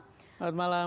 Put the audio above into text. selamat malam mbak menteri